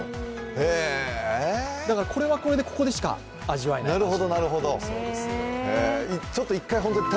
これはこれで、ここでしか味わえない味。